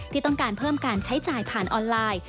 ที่ต้องการเพิ่มการใช้จ่ายผ่านออนไลน์